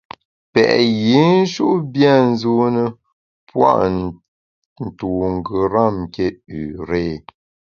Pèt yinshut bia nzune pua’ ntu ngeram nké üré.